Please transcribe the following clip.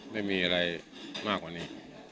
ไม่มีอะไรมากกว่านี้